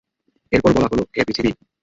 এরপর বলা হলো, হে পৃথিবী!